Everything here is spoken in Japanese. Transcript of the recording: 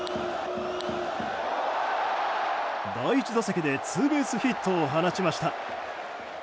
第１打席でツーベースヒットを放ちました。